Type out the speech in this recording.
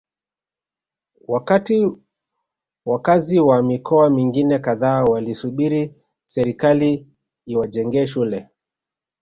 wakati wakazi wa mikoa mingine kadhaa walisubiri serikali iwajengee shule